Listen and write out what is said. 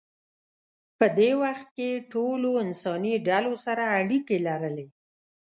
په دې وخت کې ټولو انساني ډلو سره اړیکې لرلې.